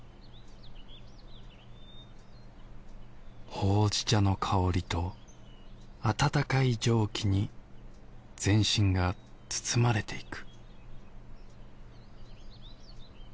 ほうじ茶の香りと暖かい蒸気に全身が包まれていく